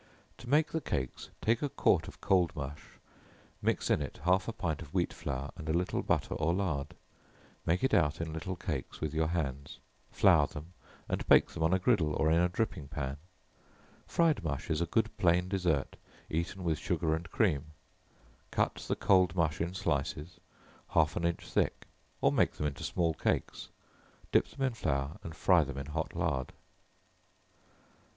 To make the cakes, take a quart of cold mush, mix in it half a pint of wheat flour, and a little butter or lard, make it out in little cakes with your hands, flour them and bake them on a griddle or in a dripping pan. Fried mush is a good plain dessert, eaten with sugar and cream. Cut the cold mush in slices, half an inch thick, or make them into small cakes, dip them in flour, and fry them in hot lard.